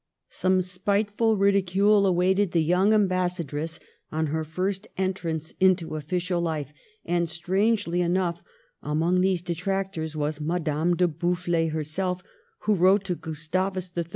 Some spiteful ridicule awaited the young am bassadress on her first entrance into official life, and, strangely enough, among these detractors was Madame de Boufflers herself, who wrote to Gustavus III.